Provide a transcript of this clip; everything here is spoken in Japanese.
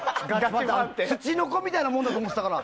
ツチノコみたいなもんだと思ってたから。